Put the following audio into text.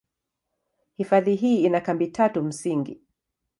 Hifadhi hii ina kambi tatu msingi.